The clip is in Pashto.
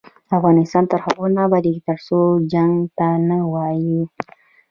افغانستان تر هغو نه ابادیږي، ترڅو جنګ ته نه ووایو.